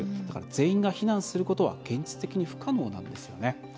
だから全員が避難することは現実的に不可能なんですよね。